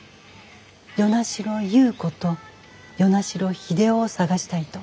「与那城優子と与那城秀夫を捜したい」と。